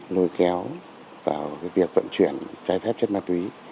nồi kéo vào việc vận chuyển trái phép chất ma túy